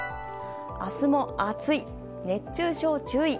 明日も暑い、熱中症注意。